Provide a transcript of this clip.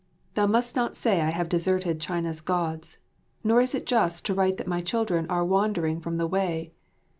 Thou must not say I have deserted China's Gods, nor is it just to write that my children are wandering from the Way.